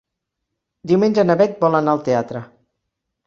Diumenge na Beth vol anar al teatre.